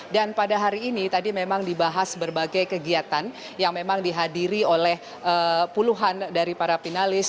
dan pada hari ini tadi memang dibahas berbagai kegiatan yang memang dihadiri oleh puluhan dari para finalis